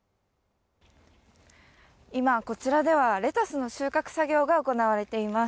今、こちらではレタスの収穫作業が行われています。